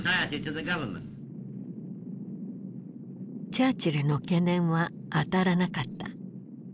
チャーチルの懸念は当たらなかった。